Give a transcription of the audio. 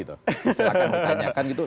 silahkan bertanyakan gitu